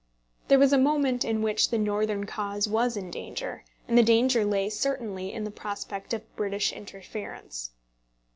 There was a moment in which the Northern cause was in danger, and the danger lay certainly in the prospect of British interference.